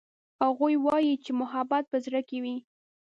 هغوی وایي چې محبت په زړه کې وي